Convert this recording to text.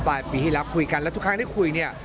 ปลายปีที่แล้วคุยกันแล้วทุกครั้งที่คุยเนี่ย